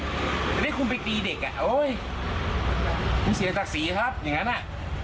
อันนี้คุณไปตีเด็กอะโอ้ยมีเสียตักศรีครับอย่างงั้นอะ